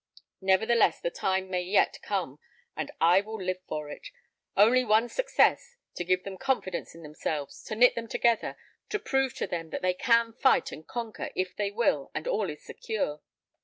Nevertheless, the time may yet come, and I will live for it. Only one success, to give them confidence in themselves, to knit them together, to prove to them that they can fight and conquer if they will, and all is secure.